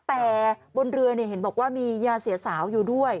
แต่บนเรือเห็นบอกว่ามียาเสียสาวอยู่ด้วย